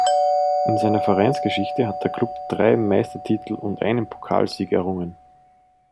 In seiner Vereinsgeschichte hat der Klub drei Meistertitel und einen Pokalsieg errungen.